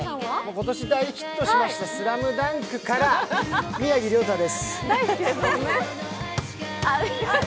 今年大ヒットしました「ＳＬＡＭＤＵＮＫ」から宮城リョータです。